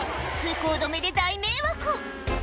通行止めで大迷惑